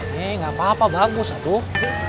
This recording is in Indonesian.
nih nggak apa apa bagus lah tuh